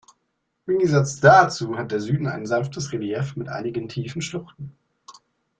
Im Gegensatz dazu hat der Süden ein sanftes Relief mit einigen tiefen Schluchten.